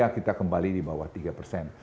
kita kembali di bawah tiga persen